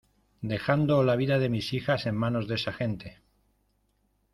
dejando la vida de mis hijas en manos de esa gente.